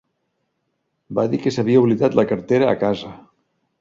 Va dir que s'havia oblidat la cartera a casa.